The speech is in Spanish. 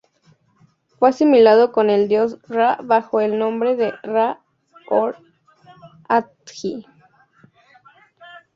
Fue asimilado con el dios Ra bajo el nombre de Ra Hor-Ajti.